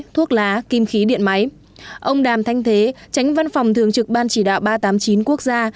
thuốc lá kim khí điện máy ông đàm thanh thế tránh văn phòng thường trực ban chỉ đạo ba trăm tám mươi chín quốc gia